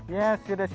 yes sudah siap